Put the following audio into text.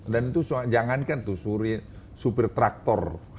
dan itu jangankan tuh supir traktor